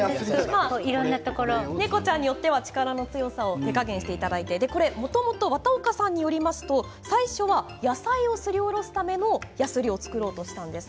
猫ちゃんによっては手加減をしていただいて綿岡さんによりますと最初は野菜をすりおろすやすりを作ろうとしたんです。